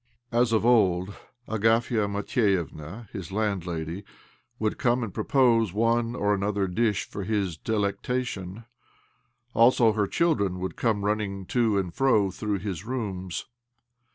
As of old, Agafia Matvievna, his landlady, would come and propose one or another dish for his delectation ; also her children would come running to and fro through his rooms.